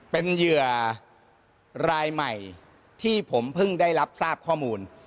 เป็นเหยื่อรายใหม่ที่ผมเพิ่งได้รับทราบข้อมูล